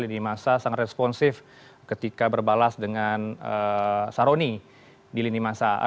lini masa sangat responsif ketika berbalas dengan saroni di lini masa